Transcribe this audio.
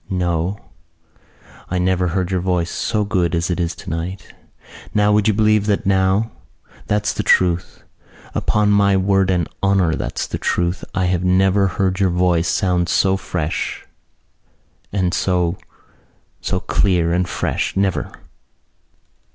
No, I never heard your voice so good as it is tonight. Now! Would you believe that now? That's the truth. Upon my word and honour that's the truth. I never heard your voice sound so fresh and so ... so clear and fresh, never."